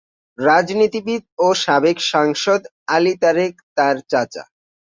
রাজনীতিবিদ ও সাবেক সাংসদ আলী তারেক তাঁর চাচা।